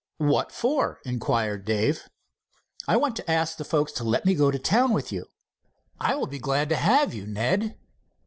"What for?" inquired Dave. "I want to ask the folks to let me go to town with you." "I'll be glad to have you, Ned."